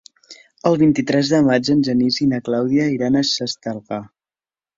El vint-i-tres de maig en Genís i na Clàudia iran a Xestalgar.